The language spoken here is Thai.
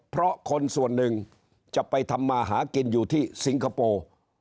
เพราะคนส่วนหนึ่งจะไปทำมาหากินอยู่ที่สิงคโปร์